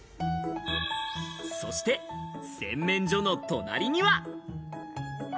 そして、洗面所の隣には。